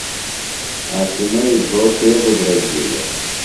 عاصمئی بھرو کے بِدرگِیلوۡ؟